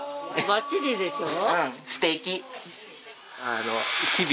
ばっちりでしょ。